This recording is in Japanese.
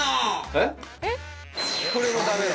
えっ？